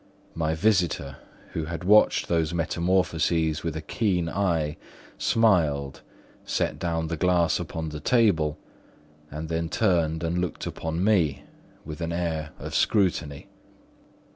My visitor, who had watched these metamorphoses with a keen eye, smiled, set down the glass upon the table, and then turned and looked upon me with an air of scrutiny.